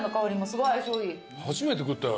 初めて食ったよ